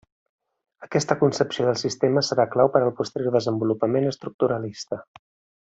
Aquesta concepció del sistema serà clau per al posterior desenvolupament estructuralista.